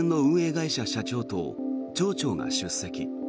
会社社長と町長が出席。